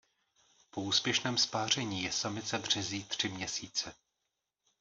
Po úspěšném spáření je samice březí tři měsíce.